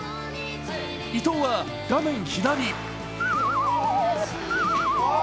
伊藤は画面左。